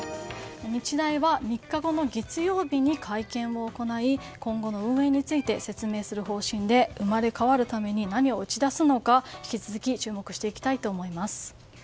日大は３日後の月曜日に会見を行い今後の運営について説明する方針で生まれ変わるために何を打ち出すのか引き続き注目していきたいと思います。